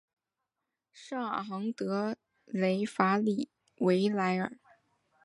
圣昂德雷法里维莱尔。